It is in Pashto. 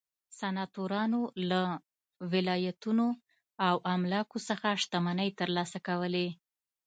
سناتورانو له ولایتونو او املاکو څخه شتمنۍ ترلاسه کولې.